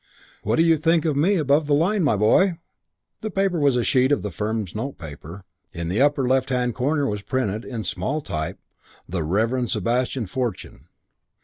"What do you think of me above the line, my boy?" The paper was a sheet of the firm's notepaper. In the upper left hand corner was printed in small type, "The Rev. Sebastian Fortune."